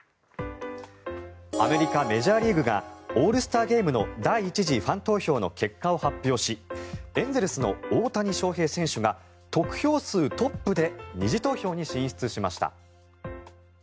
アメリカメジャーリーグがオールスターゲームの第１次ファン投票の結果を発表しエンゼルスの大谷翔平選手が得票数トップで２次投票に進出しました。